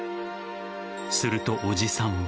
すると、叔父さんは。